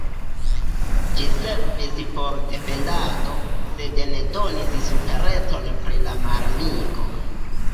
Ĝi servis por defendado, sed ne donis superecon pri la malamiko.